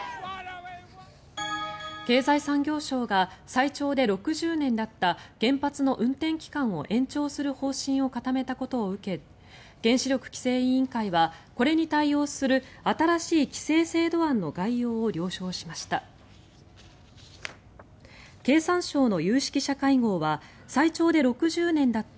経済産業省が最長で６０年だった原発の運転期間を延長する方針を固めたことを受け原子力規制委員会はこれに対応する新しい規制制度案の概要を了承しました。